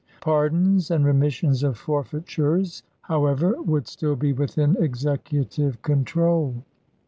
Pardons and remissions of forfeitures, how ever, would still be within Executive control.